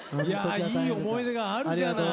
いい思い出があるじゃない。